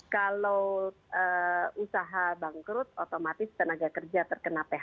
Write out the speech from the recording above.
kalau usaha bangkrut otomatis tenaga kerja terkena phk